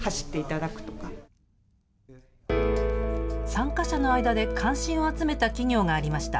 参加者の間で関心を集めた企業がありました。